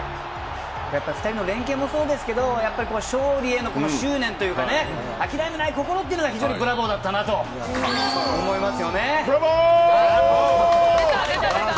２人の連係もそうですが勝利への執念というか諦めない心が非常にブラボーだったなと思います。